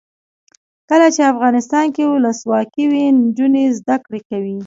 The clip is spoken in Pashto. کله چې افغانستان کې ولسواکي وي نجونې زده کړې کوي.